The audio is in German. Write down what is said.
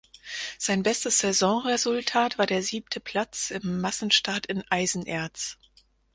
Sein bestes Saisonresultat war der siebte Platz im Massenstart in Eisenerz.